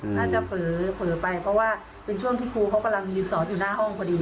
น่าจะเผลอไปเพราะว่าเป็นช่วงที่ครูเขากำลังยืนสอนอยู่หน้าห้องพอดี